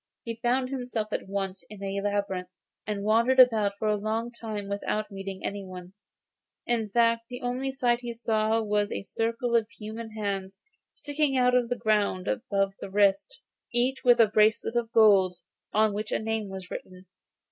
He found himself at once in a labyrinth, and wandered about for a long time without meeting anyone; in fact, the only sight he saw was a circle of human hands, sticking out of the ground above the wrist, each with a bracelet of gold, on which a name was written.